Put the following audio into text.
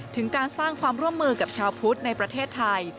ถึงการสร้างความร่วมมือกับชาวพุทธในประเทศไทย